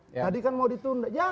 tadi kan mau ditunda